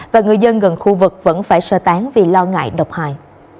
và người dân gần khu vực vẫn phải sơ tán vì lo ngại độc hại